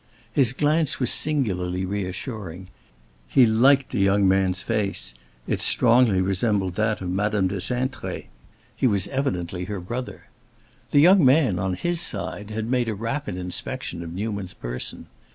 His glance was singularly reassuring; he liked the young man's face; it strongly resembled that of Madame de Cintré. He was evidently her brother. The young man, on his side, had made a rapid inspection of Newman's person.